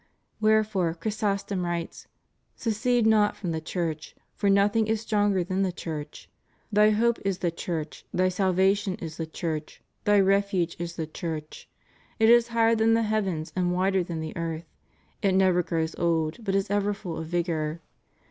Wherefore Chrysostom writes: "Secede not from the Church: for nothing is stronger than the Church. Thy hope is the Church; thy salvation is the Church; thy refuge is the Church. It is higher than the heavens and wider than the earth. It never grows old, but is ever full of vigor.